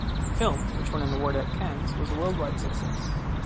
The film, which won an award at Cannes, was a worldwide success.